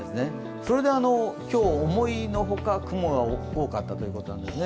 それで今日、思いの外雲が多かったということなんですね。